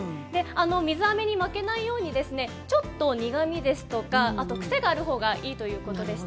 水あめに負けないようにちょっと苦みや癖がある方がいいということでした。